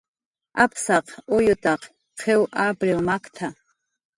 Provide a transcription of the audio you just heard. "Apsaq uyutak qiw apriw makt""a"